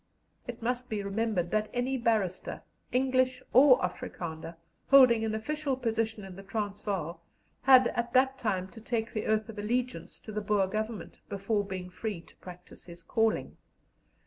It must be remembered that any barrister, English or Afrikander, holding an official position in the Transvaal, had at that time to take the oath of allegiance to the Boer Government before being free to practise his calling.